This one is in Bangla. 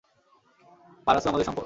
পারাসু আমাদের সম্পদ।